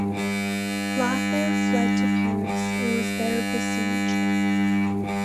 Lothair fled to Paris and was there besieged.